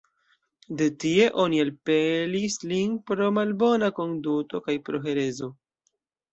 De tie oni elpelis lin pro malbona konduto kaj pro herezo.